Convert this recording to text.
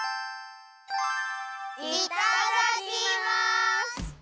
いただきます！